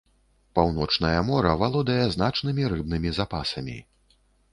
Паўночнае мора валодае значнымі рыбнымі запасамі.